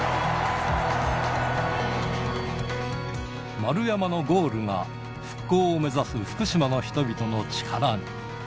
丸山のゴールが、復興を目指す福島の人々の力に。